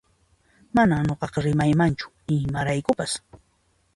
Manan nuqaqa riymanchu imaraykupas